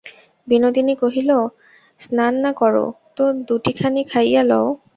বিনোদিনী কহিল, স্নান না কর তো দুটিখানি খাইয়া লও।